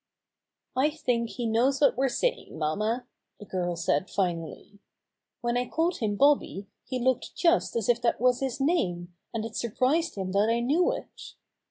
"I think he knows what we're saying, mamma," the girl said finally. "When I called him Bobby he looked just as if that was his name, and it surprised him that I knew it."